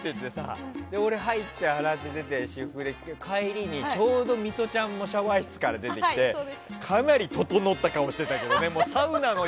そこに入って、洗ってて帰りにちょうど、ミトちゃんもシャワー室から出てきてかなり整った顔してたけどね。